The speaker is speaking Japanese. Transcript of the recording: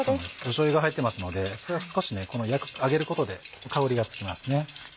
しょうゆが入ってますので少し揚げることで香りがつきますね。